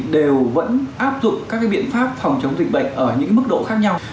đều vẫn áp dụng các biện pháp phòng chống dịch bệnh ở những mức độ khác nhau